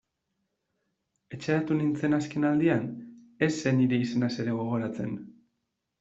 Etxeratu nintzen azken aldian, ez zen nire izenaz ere gogoratzen...